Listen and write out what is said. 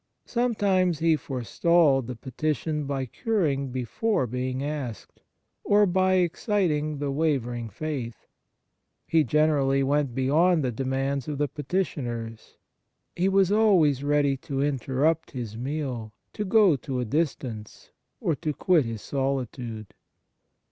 Sometimes He forestalled the petition by curing before being asked, or by exciting the wavering faith. He generally went beyond the demands of the petitioners. He was always ready to interrupt His meal, to go to a distance, or to quit His solitude.